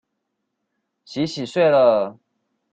洗洗睡了